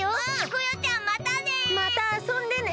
クヨちゃんまたね！